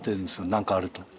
何かあると。